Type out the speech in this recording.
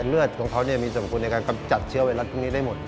เลือดของเขามีสมควรในการกำจัดเชื้อไวรัสพวกนี้ได้หมด